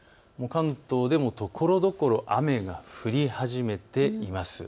関東でもところどころ雨が降り始めています。